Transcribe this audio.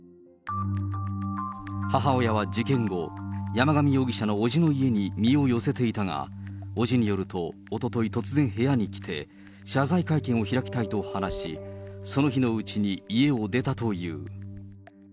母親は事件後、山上容疑者の伯父の家に身を寄せていたが、伯父によると、おととい突然部屋に来て、謝罪会見を開きたいと話し、その日のうちに家を出たという。